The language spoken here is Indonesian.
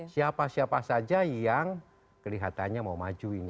siapa siapa saja yang kelihatannya mau maju ini